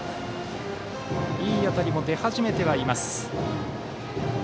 いい当たりも出始めてはいます。